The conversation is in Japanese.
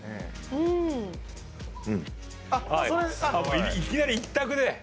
もういきなり１択で？